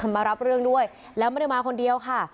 มารับเรื่องด้วยแล้วไม่ได้มาคนเดียวค่ะ